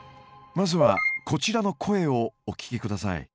まずはこちらの声をお聞きください。